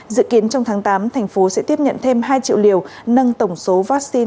dự kiến trong tháng tám thành phố sẽ tiếp nhận thêm hai triệu liều nâng tổng số vaccine